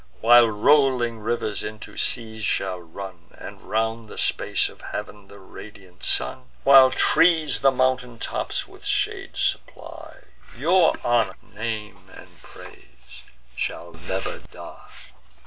While rolling rivers into seas shall run, And round the space of heav'n the radiant sun; While trees the mountain tops with shades supply, Your honour, name, and praise shall never die.